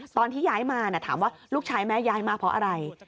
ตอนที่ย้ายมาถามว่าลูกชายแม่ย้ายมาเพราะอะไร